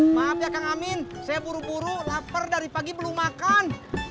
maaf ya kang amin saya buru buru lapar dari pagi belum makan